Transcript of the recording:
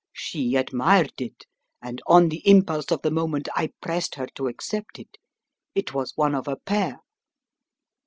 She admired it, and on the impulse of the moment I pressed her to accept it. It was one of a pair."